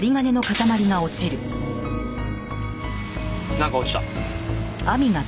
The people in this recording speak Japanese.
なんか落ちた。